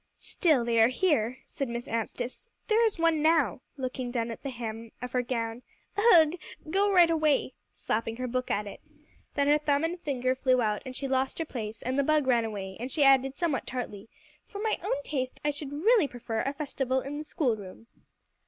"Still, they are here," said Miss Anstice; "there is one now," looking down at the hem of her gown. "Ugh! go right away," slapping her book at it. Then her thumb and finger flew out, and she lost her place, and the bug ran away, and she added somewhat tartly, "For my own taste, I should really prefer a festival in the schoolroom."